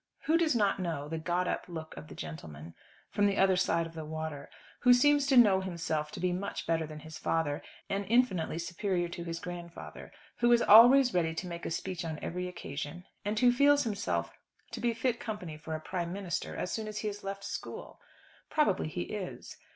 Who does not know the "got up" look of the gentleman from the other side of the water, who seems to know himself to be much better than his father, and infinitely superior to his grandfather; who is always ready to make a speech on every occasion, and who feels himself to be fit company for a Prime Minister as soon as he has left school. Probably he is.